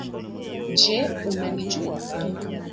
Je unanijua